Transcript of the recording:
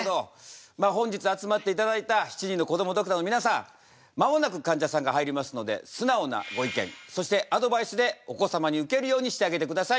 まあ本日集まっていただいた７人のこどもドクターの皆さん間もなくかんじゃさんが入りますので素直なご意見そしてアドバイスでお子様にウケるようにしてあげてください。